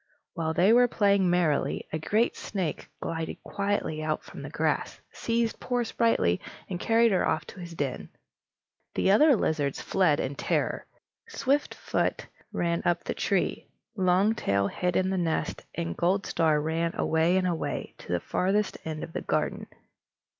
While they were playing merrily, a great snake glided quietly out from the grass, seized poor Sprightly, and carried her off to his den. The other lizards fled in terror. Swiftfoot ran up the tree, Longtail hid in the nest, and Goldstar ran away and away, to the farthest end of the garden.